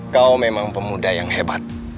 kau memang pemuda yang hebat